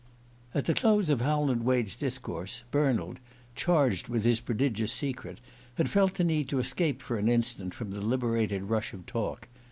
At the close of Howland Wade's discourse, Bernald, charged with his prodigious secret, had felt the need to escape for an instant from the liberated rush of talk.